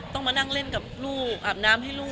ต้องมานั่งเล่นกับลูกอาบน้ำให้ลูก